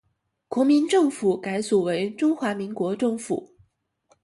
国民政府改组为中华民国政府。